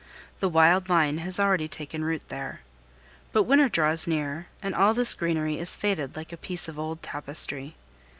The wild vine has already taken root there. But winter draws near, and all this greenery is faded like a piece of old tapestry.